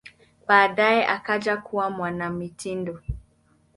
Baadaye akaja kuwa mwanamitindo.